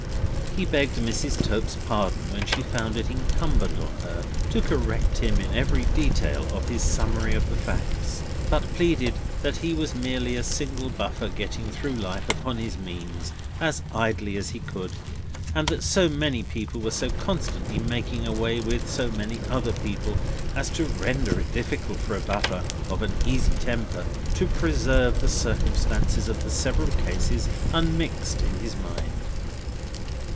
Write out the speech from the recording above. He begged Mrs. Tope's pardon when she found it incumbent on her to correct him in every detail of his summary of the facts, but pleaded that he was merely a single buffer getting through life upon his means as idly as he could, and that so many people were so constantly making away with so many other people, as to render it difficult for a buffer of an easy temper to preserve the circumstances of the several cases unmixed in his mind.